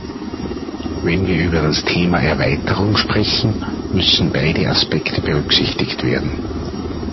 Wenn wir über das Thema Erweiterung sprechen, müssen beide Aspekte berücksichtigt werden.